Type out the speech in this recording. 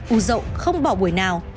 ưu dậu không bỏ buổi nào